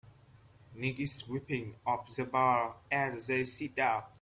Nick is wiping off the bar as they sit down.